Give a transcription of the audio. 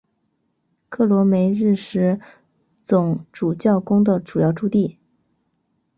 克罗梅日什总主教宫的主要驻地。